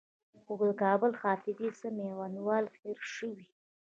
خو د کابل له حافظې څخه میوندوال هېر شوی.